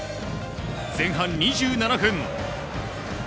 前半２７分。